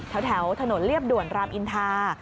แถวถนนเรียบด่วนรามอินทา